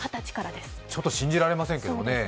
ちょっと信じられませんけどね。